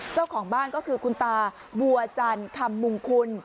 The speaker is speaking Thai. เจ้าของบ้านก็คือคุณตาบัวจันทร์คำมุงคุณ